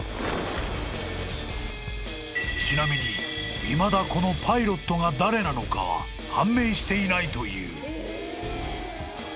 ［ちなみにいまだこのパイロットが誰なのかは判明していないという］